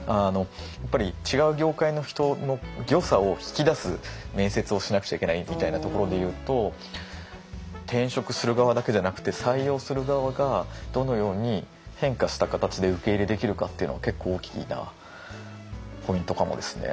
やっぱり違う業界の人の良さを引き出す面接をしなくちゃいけないみたいなところで言うと転職する側だけじゃなくて採用する側がどのように変化した形で受け入れできるかっていうのは結構大きなポイントかもですね。